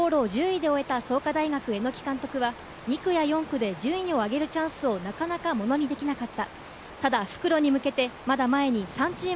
往路１０位で終えた創価大学・榎木監督は２区や４区で順位を上げるチャンスをなかなかモノにできなかった。